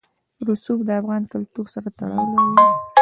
رسوب د افغان کلتور سره تړاو لري.